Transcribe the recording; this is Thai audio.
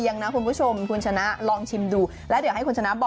ข้างบัวแห่งสันยินดีต้อนรับทุกท่านนะครับ